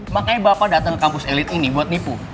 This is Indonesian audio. makanya bapak datang ke kampus elit ini buat nipu